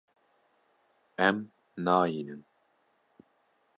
Em nayînin.